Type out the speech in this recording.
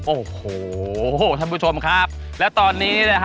โอ้โหท่านผู้ชมครับแล้วตอนนี้นะฮะ